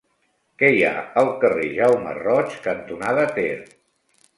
Què hi ha al carrer Jaume Roig cantonada Ter?